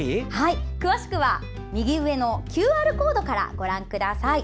詳しくは右上のＱＲコードからご覧ください。